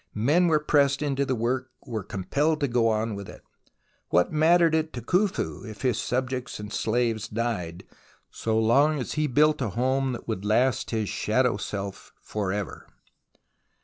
Men were pressed into the work, were compelled to go on with it. What mattered it to Khufu if his subjects and slaves died, so long as he built a home that would last his shadow self for ever